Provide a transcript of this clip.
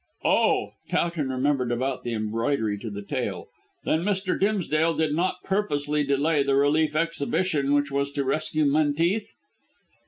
"Oh!" Towton remembered about the embroidery to the tale. "Then Mr. Dimsdale did not purposely delay the relief expedition which was to rescue Menteith?"